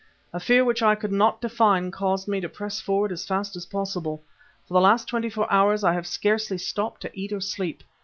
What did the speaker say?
A fear which I could not define caused me to press forward as fast as possible; for the last twenty four hours I have scarcely stopped to eat or sleep.